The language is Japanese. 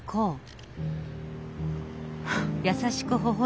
フッ。